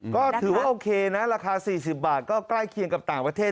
ก็ถือว่าโอเคนะราคา๔๐บาทก็ใกล้เคียงกับต่างประเทศ